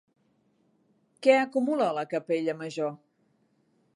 Què acumula la Capella Major?